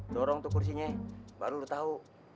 dorong tuh kursinya baru lu tahu